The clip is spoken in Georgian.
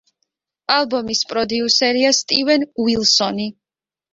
ალბომის პროდიუსერია სტივენ უილსონი.